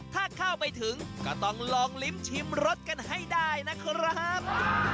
ถ้าเข้าไปถึงก็ต้องลองลิ้มชิมรสกันให้ได้นะครับ